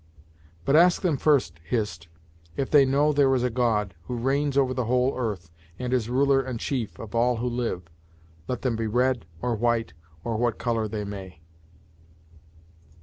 But ask them first, Hist, if they know there is a God, who reigns over the whole earth, and is ruler and chief of all who live, let them be red, or white, or what color they may?"